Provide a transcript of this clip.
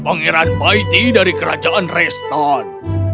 pangeran maiti dari kerajaan reston